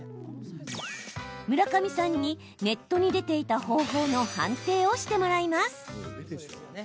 村上さんに、ネットに出ていた方法の判定をしてもらいます。